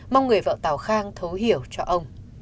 mong người vợ tàu khang thấu hiểu cho ông